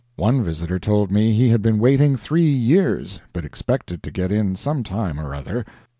One visitor told me he had been waiting three years, but expected to get in sometime or other.